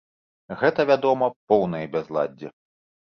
Гэта вядома поўнае бязладдзе.